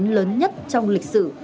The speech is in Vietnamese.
lớn nhất trong lịch sử